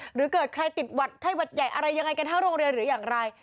หรือเกิดใครติดใจยังไงต